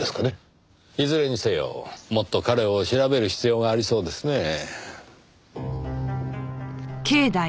いずれにせよもっと彼を調べる必要がありそうですねぇ。